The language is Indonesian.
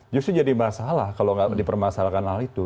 justru jadi masalah kalau nggak dipermasalahkan hal itu